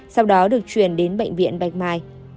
sau đó được chuyển đến bệnh viện bạch mai